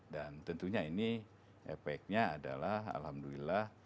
dan tentunya ini efeknya adalah alhamdulillah